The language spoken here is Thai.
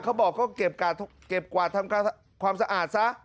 เขาบอกก็เก็บกวาดทำความสะอาดซะ